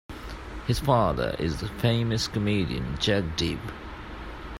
His father is the famous comedian Jagdeep.